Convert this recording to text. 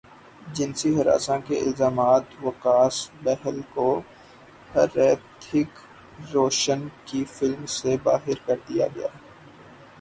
جنسی ہراساں کے الزامات وکاس بہل کو ہریتھک روشن کی فلم سے باہر کردیا گیا